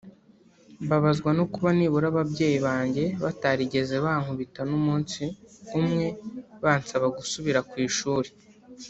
Mbabazwa no kuba nibura ababyeyi banjye batarigeze bankubita n’umunsi umwe bansaba gusubira ku ishuri